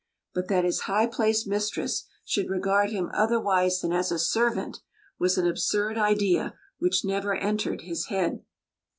But that his high placed mistress should regard him otherwise than as a servant was an absurd idea which never entered his head.